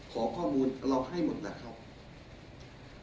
ขอข้อมูลเราให้หมดแล้วครับ